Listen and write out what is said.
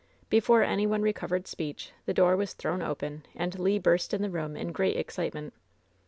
Before any one recovered speech the door was thrown open, and Le burst in the room in great excitement.